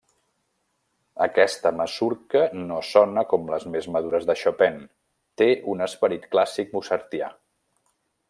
Aquesta masurca no sona com les més madures de Chopin; té un esperit clàssic mozartià.